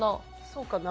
そうかな？